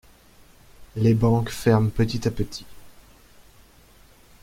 Les banques ferment petit à petit.